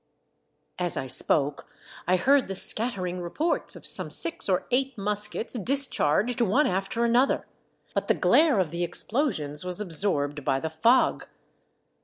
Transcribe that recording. As I spoke I heard the scattering reports of some six or eight muskets discharged one after another, but the glare of the explosions was absorbed by the fog.